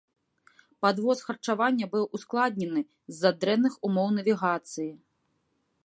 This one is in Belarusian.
Падвоз харчавання быў ускладнены з-за дрэнных умоў навігацыі.